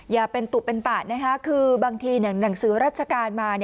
อย่าเป็นตุเป็นตะนะคะคือบางทีหนังสือราชการมา